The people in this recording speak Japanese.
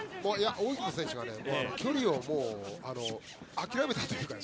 扇久保選手は距離を諦めたというか。